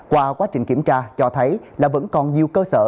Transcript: qua quá trình kiểm tra cho thấy là vẫn còn nhiều cơ sở